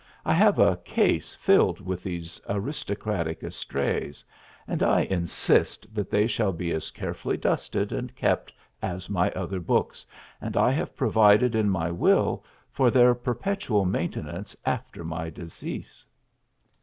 I have a case filled with these aristocratic estrays, and I insist that they shall be as carefully dusted and kept as my other books, and I have provided in my will for their perpetual maintenance after my decease.